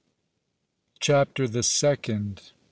CHAPTER THE SECOND.